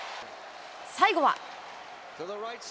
最後は。